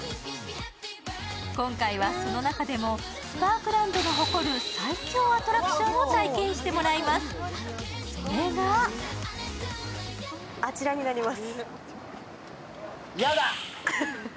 今回はその中でもスパークランドが誇る最恐アトラクションを体験してもらいます、それがあちらになります。